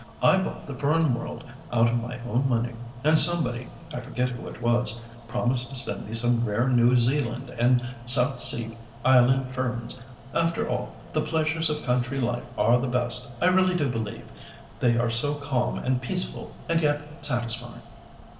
I bought the Fern World out of my own money, and somebody—I forget who it was—promised to send me some rare New Zealand and South Sea Island ferns. After all, the pleasures of country life are the best, I really do believe; they are so calm and peaceful and yet satisfying."